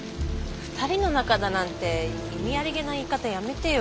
二人の仲だなんて意味ありげな言い方やめてよ。